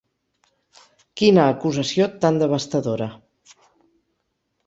Quina acusació tan devastadora.